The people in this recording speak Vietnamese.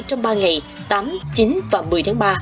trong ba ngày tám chín và một mươi tháng ba